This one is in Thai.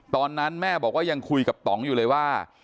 ตอนนั้นแม่บอกว่ายังคุยกับต่องอยู่เลยว่า